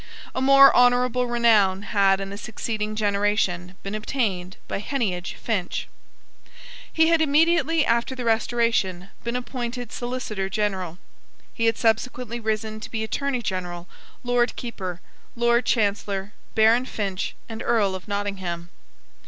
A more honourable renown had in the succeeding generation been obtained by Heneage Finch. He had immediately after the Restoration been appointed Solicitor General. He had subsequently risen to be Attorney General, Lord Keeper, Lord Chancellor, Baron Finch, and Earl of Nottingham.